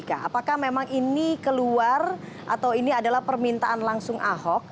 apakah memang ini keluar atau ini adalah permintaan langsung ahok